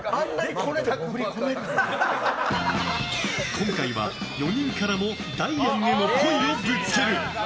今回は４人からもダイアンへのっぽいをぶつける。